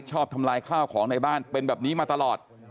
ทำลายข้าวของในบ้านเป็นแบบนี้มาตลอด